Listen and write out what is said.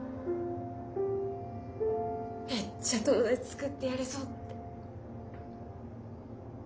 めっちゃ友達作ってやるぞって。